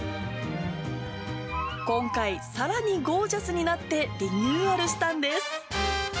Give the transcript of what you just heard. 今回、さらにゴージャスになってリニューアルしたんです。